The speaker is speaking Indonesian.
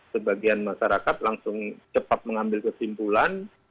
sebagian masyarakat langsung cepat mengambil kesimpulan